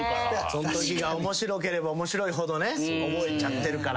そんときが面白ければ面白いほど覚えちゃってるから。